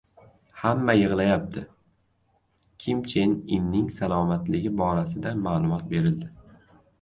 "Hamma yig‘layapti": Kim Chen Inning salomatligi borasida ma’lumot berildi